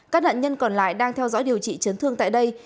các nạn nhân còn lại đang theo dõi điều trị chấn thương tại đây